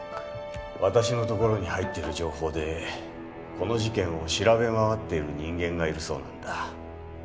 私の所に入っている情報でこの事件を調べ回ってる人間がいるそうなんだ